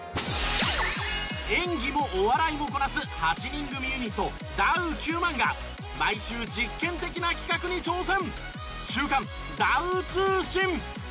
演技もお笑いもこなす８人組ユニットダウ９００００が毎週実験的な企画に挑戦！